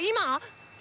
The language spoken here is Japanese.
今⁉